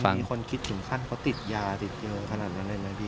มีคนคิดถึงขั้นเขาติดยาติดเยอะขนาดนั้นเลยไหมพี่